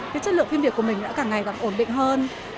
cái chất lượng phim việt của mình đã càng ngày càng ổn định hơn